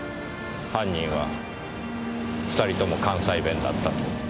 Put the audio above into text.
犯人は２人とも関西弁だったと。